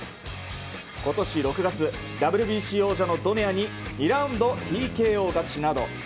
今年６月ＷＢＣ王者のドネアに２ラウンドＴＫＯ勝ちなど